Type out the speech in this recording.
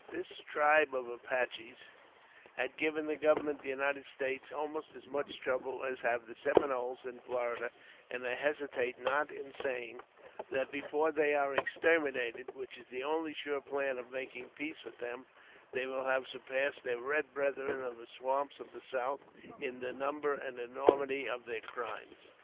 This tribe of Apaches has given the government of the United States almost as much trouble as have the Seminoles in Florida, and I hesitate not in saying, that before they are exterminated, which is the only sure plan of making a peace with them, they will have surpassed their red brethren of the swamps of the South in the number and enormity of their crimes.